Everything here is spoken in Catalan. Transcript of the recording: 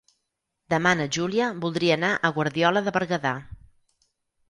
Demà na Júlia voldria anar a Guardiola de Berguedà.